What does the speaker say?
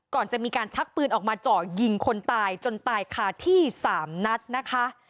ก่อนจะมีการชักปืนออกมาเจาะยิงคนตายจนตายคาที่๓นัดนะคะ